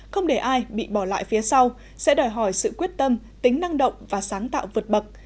không để ai bị bỏ lại phía sau sẽ đòi hỏi sự quyết tâm tính năng động và sáng tạo vượt bậc